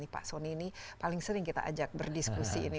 pak soni ini paling sering kita ajak berdiskusi ini